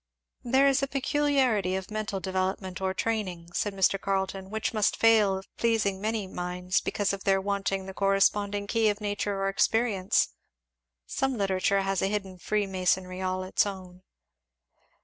"There is a peculiarity of mental development or training," said Mr. Carleton, "which must fail of pleasing many minds because of their wanting the corresponding key of nature or experience. Some literature has a hidden freemasonry of its own."